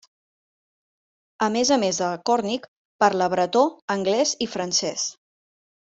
A més a més de còrnic, parla bretó, anglès i francès.